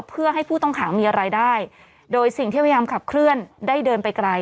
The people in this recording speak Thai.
เพื่อให้ผู้ต้องขังมีรายได้โดยสิ่งที่พยายามขับเคลื่อนได้เดินไปไกล